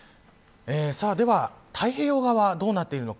では、太平洋側はどうなっているのか。